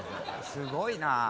すごいな。